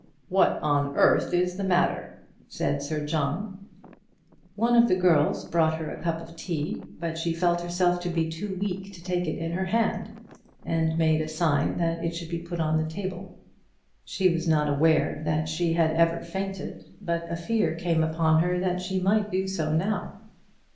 "What on earth is the matter?" said Sir John. One of the girls brought her a cup of tea, but she felt herself to be too weak to take it in her hand, and made a sign that it should be put on the table. She was not aware that she had ever fainted, but a fear came upon her that she might do so now.